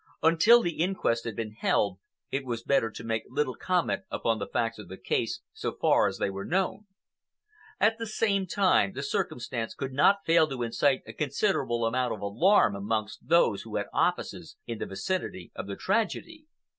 Until the inquest had been held, it was better to make little comment upon the facts of the case so far as they were known. At the same time, the circumstance could not fail to incite a considerable amount of alarm among those who had offices in the vicinity of the tragedy.